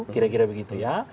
kira kira begitu ya